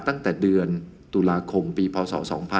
ตั้งแต่เดือนตุลาคมปีพศ๒๕๖๒